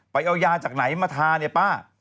ไปเอายาจากไหนมาทาเนี่ยป้า